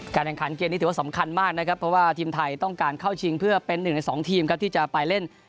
แข่งขันเกมนี้ถือว่าสำคัญมากนะครับเพราะว่าทีมไทยต้องการเข้าชิงเพื่อเป็นหนึ่งในสองทีมครับที่จะไปเล่น